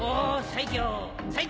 最強！